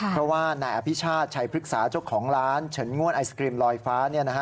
เพราะว่านายอภิชาติชัยพฤกษาเจ้าของร้านเฉินงวดไอศกรีมลอยฟ้า